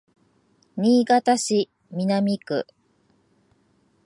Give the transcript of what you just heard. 新潟市南区